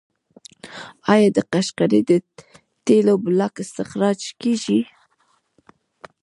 آیا د قشقري د تیلو بلاک استخراج کیږي؟